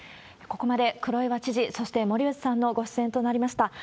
ここまで黒岩知事、そして森内さんのご出演となりました。